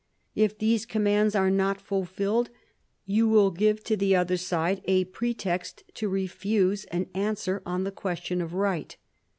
If these commands are not fulfilled, you will give to the other side a pretext to refuse an answer on the question of right."